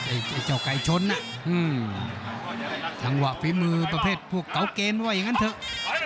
ไอ้เจ้าไก่ชนจังหวะฝีมือประเภทพวกเก่าเกณฑ์ว่าอย่างนั้นเถอะ